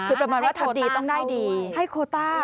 คือประมาณว่าทำดีต้องได้ดีให้โคตรศึกษาเข้าด้วย